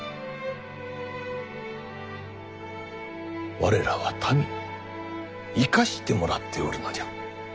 我らは民に生かしてもらっておるのじゃ。